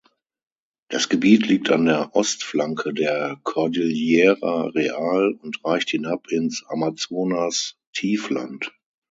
Das Gebiet liegt an der Ostflanke der Cordillera Real und reicht hinab ins Amazonastiefland.